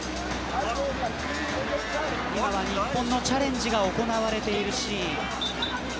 日本のチャレンジが行われているシーン。